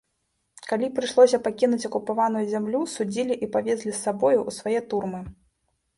Калі прыйшлося пакінуць акупаваную зямлю, судзілі і павезлі з сабою, у свае турмы.